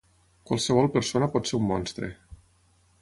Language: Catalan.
Qualsevol persona pot ser un monstre.